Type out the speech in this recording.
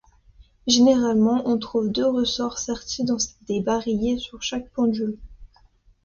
Généralement on trouve deux ressorts sertis dans des barillets sur chaque pendule.